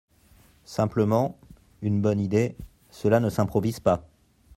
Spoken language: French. Simplement, une bonne idée, cela ne s’improvise pas.